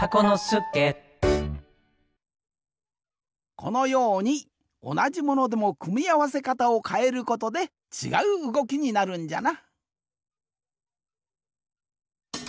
このようにおなじものでもくみあわせかたをかえることでちがううごきになるんじゃな。